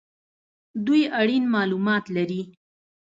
دوی اړین مالومات لري